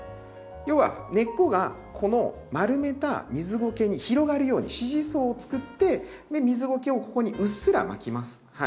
要は根っこがこの丸めた水ゴケに広がるように支持層をつくって水ゴケをここにうっすら巻きます。